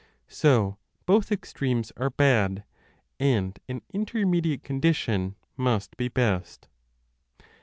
So both extremes are bad, and an 20 intermediate condition must be best.